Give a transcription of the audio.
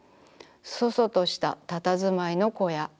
楚々とした佇まいの小屋。